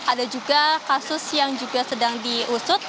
ada juga kasus yang juga sedang diusut